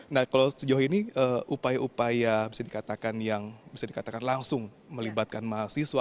nah kalau sejauh ini upaya upaya bisa dikatakan yang bisa dikatakan langsung melibatkan mahasiswa